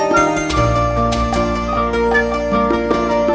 jangan lupa subscribe channel ini ya